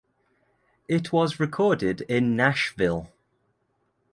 It was recorded in Nashville.